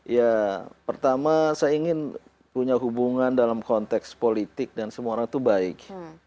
ya pertama saya ingin punya hubungan dalam konteks politik dan semua orang itu baik